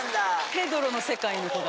ヘドロの世界の子だ。